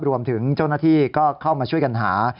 รวมถึงเจ้าหน้าที่ก็เข้ามาช่วยกันหา